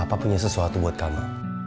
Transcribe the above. apa punya sesuatu buat kamu